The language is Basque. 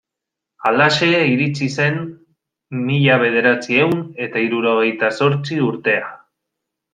Halaxe iritsi zen mila bederatziehun eta hirurogeita zortzi urtea.